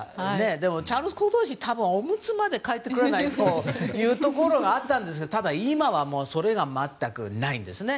でも、チャールズ皇太子多分、おむつまでは替えてくれないということがあったんでしょうけどただ、今はそれが全くないんです。